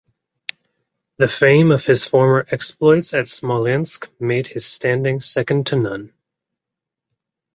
The fame of his former exploits at Smolensk made his standing second to none.